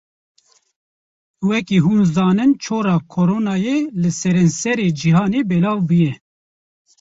Wekî hûn zanin çora Koronayê li serenserê cihanê belav bûye.